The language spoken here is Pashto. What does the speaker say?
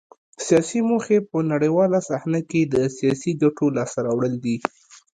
سیاسي موخې په نړیواله صحنه کې د سیاسي ګټو لاسته راوړل دي